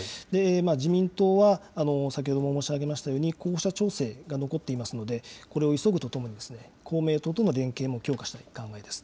自民党は先ほども申し上げましたように、候補者調整が残っていますので、これを急ぐとともに、公明党との連携も強化したい考えです。